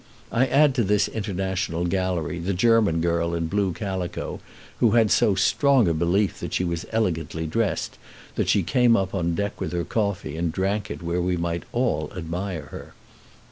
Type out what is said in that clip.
I add to this international gallery the German girl in blue calico, who had so strong a belief that she was elegantly dressed that she came up on deck with her coffee, and drank it where we might all admire her.